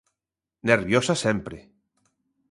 Nerviosa sempre.